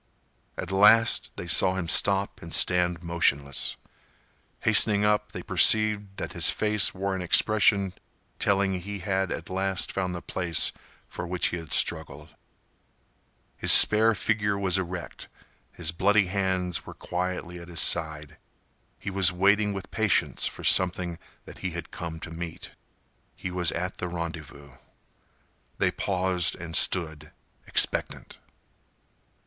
At last, they saw him stop and stand motionless. Hastening up, they perceived that his face wore an expression telling that he had at last found the place for which he had struggled. His spare figure was erect; his bloody hands were quietly at his side. He was waiting with patience for something that he had come to meet. He was at the rendezvous. They paused and stood, expectant.